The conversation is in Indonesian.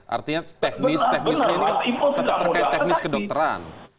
artinya teknis teknis ini tetap terkait teknis kedokteran